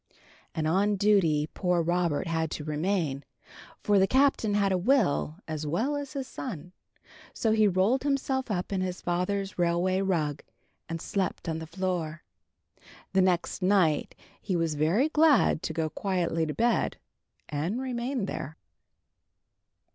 And on duty poor Robert had to remain, for the Captain had a will as well as his son. So he rolled himself up in his father's railway rug, and slept on the floor. The next night he was very glad to go quietly to bed, and remain there.